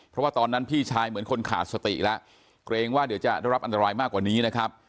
เพราะว่าตอนนั้นพี่ชายเหมือนคนขาดสติแล้วเกรงว่าเดี๋ยวจะได้รับอันตรายมากกว่านี้นะครับ